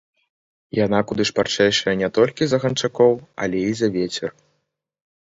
Яна куды шпарчэйшая не толькі за ганчакоў, але і за вецер.